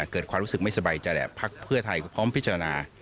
เกิดความรู้สึกไม่สบายใจแหละพักเพื่อไทยพร้อมพิจารณา